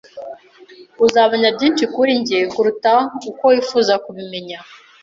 Uzamenya byinshi kuri njye kuruta uko wifuza kubimenya.